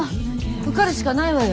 受かるしかないわよ